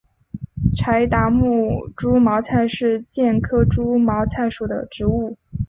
柴达木猪毛菜是苋科猪毛菜属的植物。